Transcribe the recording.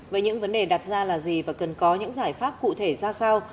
với những vấn đề đặt ra là gì và cần có những giải pháp cụ thể ra sao